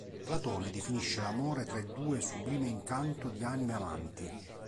Platone definisce l'amore tra i due "Sublime incanto di anime amanti".